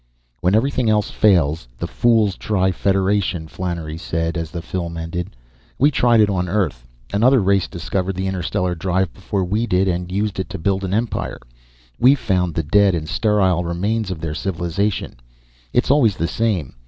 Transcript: "When everything else fails, the fools try federation," Flannery said as the film ended. "We tried it on Earth. Another race discovered the interstellar drive before we did and used it to build an empire. We've found the dead and sterile remains of their civilization. It's always the same.